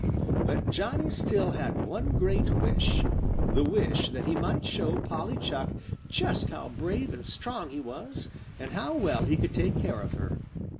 But Johnny still had one great wish, the wish that he might show Polly Chuck just how brave and strong he was and how well he could take care of her.